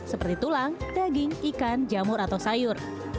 seperti tulang daging ikan jamur atau sayur